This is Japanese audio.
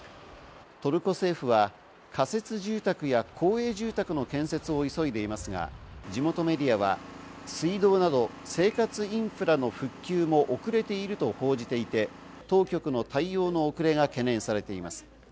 トルコ政府は仮設住宅や公営住宅の建設を急いでいますが、地元メディアは、水道など生活インフラの復旧も遅れていると報じていて、当局の対応の遅れが懸念されています。